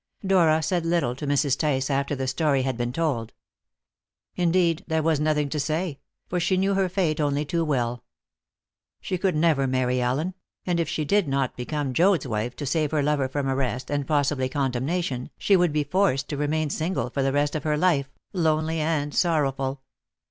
Dora said little to Mrs. Tice after the story had been told. Indeed, there was nothing to say; for she knew her fate only too well. She could never marry Allen; and if she did not become Joad's wife, to save her lover from arrest, and possibly condemnation, she would be forced to remain single for the rest of her life, lonely and sorrowful.